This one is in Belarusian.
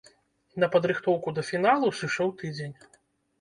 На падрыхтоўку да фіналу сышоў тыдзень.